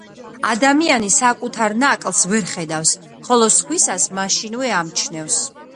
ადამიანი საკუთარ ნაკლს ვერ ხედავს, ხოლო სხვისას მაშინვე ამჩნევს